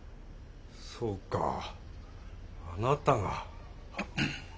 そうかあなたが。